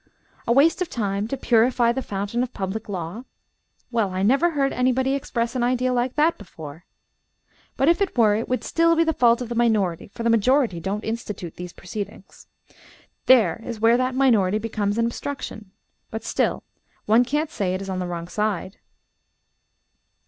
"A waste of time, to purify the fountain of public law? Well, I never heard anybody express an idea like that before. But if it were, it would still be the fault of the minority, for the majority don't institute these proceedings. There is where that minority becomes an obstruction but still one can't say it is on the wrong side.